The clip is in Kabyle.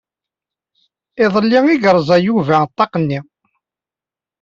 Iḍelli i yerẓa Yuba ṭṭaq-nni.